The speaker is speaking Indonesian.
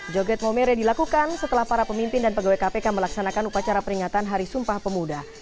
joget maumere dilakukan setelah para pemimpin dan pegawai kpk melaksanakan upacara peringatan hari sumpah pemuda